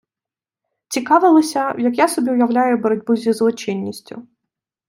Цікавилися, як я собі уявляю боротьбу зі злочинністю.